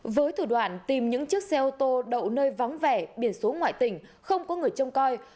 với thủ đoạn tìm những chiếc xe ô tô đậu nơi vắng vẻ biển số ngoại tỉnh không có người trông coi